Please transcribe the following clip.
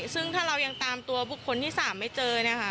ซึ่งถ้าเรายังตามตัวบุคคลที่๓ไม่เจอนะคะ